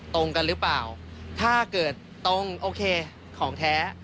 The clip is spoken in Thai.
ตรงกันหรือเปล่าถ้าเกิดตรงโอเคของแท้